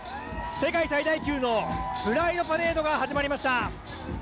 世界最大級のプライドパレードが始まりました